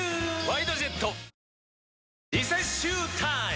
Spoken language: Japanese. リセッシュータイム！